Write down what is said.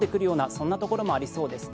そんなところもありそうです。